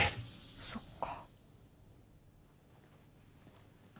そっか。